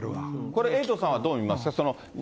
これは、エイトさんはどう見ますか。